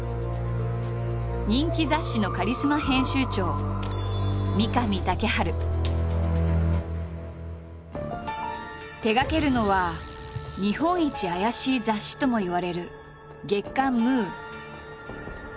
人気雑誌のカリスマ編集長手がけるのは「日本一アヤシイ雑誌」ともいわれる月刊「ムー」。